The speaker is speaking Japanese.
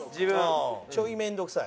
ちょい面倒くさい。